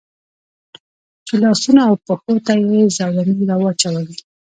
چې لاسونو او پښو ته یې زولنې را واچولې.